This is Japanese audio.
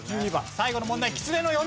最後の問題。